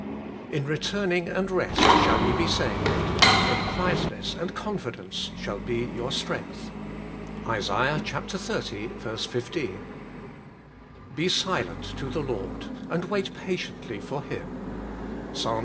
'In returning and rest shall ye be saved; in quietness and confidence shall be your strength. '— Isa. xxx. 15. 'Be silent to the Lord, and wait patiently for Him.' — Ps.